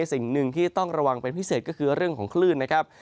สิ่งหนึ่งที่ต้องระวังเป็นพิเศษก็คือเรื่องของคลื่นนะครับ